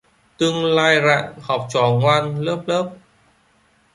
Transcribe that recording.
Tương lai rạng, học trò ngoan lớp lớp..